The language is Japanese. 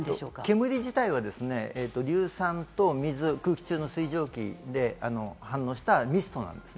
煙自体は硫酸と水、空気中の水蒸気で反応したミストなんです。